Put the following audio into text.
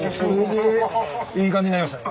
いい感じになりましたね。